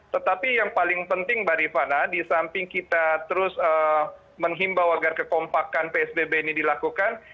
tetapi yang paling penting mbak rifana di samping kita terus menghimbau agar kekompakan psbb ini dilakukan